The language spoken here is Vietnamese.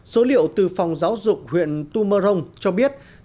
số liệu từ phòng giáo dục huyện tu mơ rông cho biết